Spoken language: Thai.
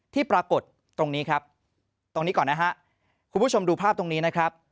ที่ปรากฏตรงนี้ครับตรงนี้ก่อนนะฮะคุณผู้ชมดูภาพตรงนี้นะครับ